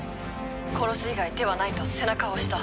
殺す以外手はないと背中を押した。